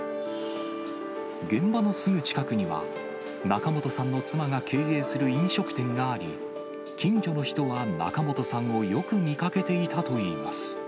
現場のすぐ近くには、仲本さんの妻が経営する飲食店があり、近所の人は仲本さんをよく見かけていたといいます。